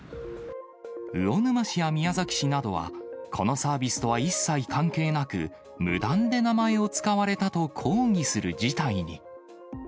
魚沼市や宮崎市などは、このサービスとは一切関係なく、無断で名前を使われたと抗議する事態に。